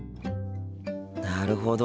なるほど。